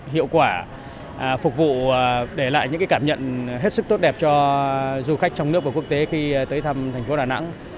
hiệu quả phục vụ để lại những cảm nhận hết sức tốt đẹp cho du khách trong nước và quốc tế khi tới thăm thành phố đà nẵng